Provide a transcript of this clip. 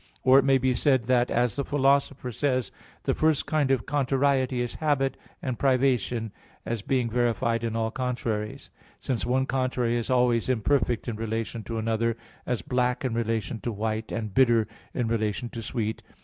Or, it may be said that, as the Philosopher says (Metaph. iv, text 6), "the first kind of contrariety is habit and privation," as being verified in all contraries; since one contrary is always imperfect in relation to another, as black in relation to white, and bitter in relation to sweet.